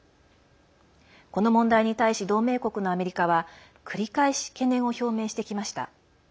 この問題に対し同盟国のアメリカは繰り返し懸念を表明してきました。